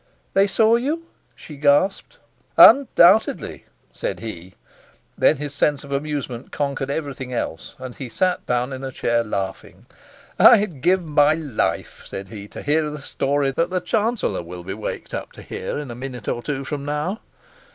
"They saw you?" she gasped. "Undoubtedly," said he. Then his sense of amusement conquered everything else, and he sat down in a chair, laughing. "I'd give my life," said he, "to hear the story that the chancellor will be waked up to hear in a minute or two from now!"